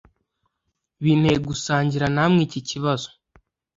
binteye gusangira namwe iki kibazo